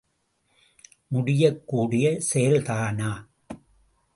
முடியக் கூடிய செயல்தானா?